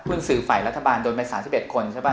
วงสื่อไฟรัฐบาลโดนไป๓๑คนใช่ป่ะ